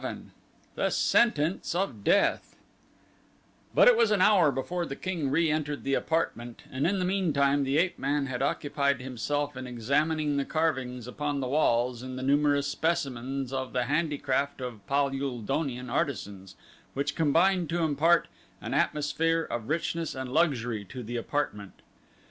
11 The Sentence of Death But it was an hour before the king re entered the apartment and in the meantime the ape man had occupied himself in examining the carvings upon the walls and the numerous specimens of the handicraft of Pal ul donian artisans which combined to impart an atmosphere of richness and luxury to the apartment.